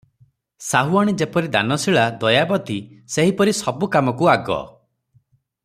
ସାହୁଆଣୀ ଯେପରି ଦାନଶୀଳା, ଦୟାବତୀ - ସେହିପରି ସବୁ କାମକୁ ଆଗ ।